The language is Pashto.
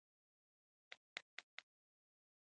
د هغې د علت په باب فکر وکړه.